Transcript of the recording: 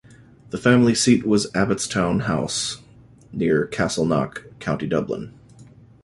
The family seat was Abbotstown House, near Castleknock, County Dublin.